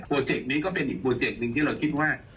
เจกต์นี้ก็เป็นอีกโปรเจกต์หนึ่งที่เราคิดว่า